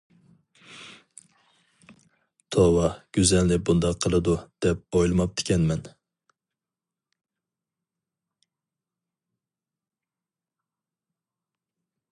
توۋا گۈزەلنى بۇنداق قىلىدۇ دەپ ئويلىماپتىكەنمەن.